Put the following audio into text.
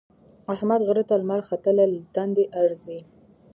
احمد غره ته لمر ختلی له دندې ارځي.